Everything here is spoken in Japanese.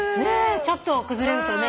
ちょっと崩れるとね。